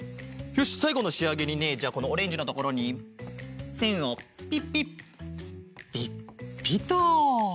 よしさいごのしあげにねじゃあこのオレンジのところにせんをピッピッピッピッと。